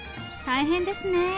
大変ですね。